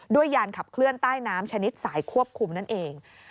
ยานขับเคลื่อนใต้น้ำชนิดสายควบคุมนั่นเอง